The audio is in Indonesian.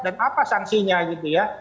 dan apa sanksinya gitu ya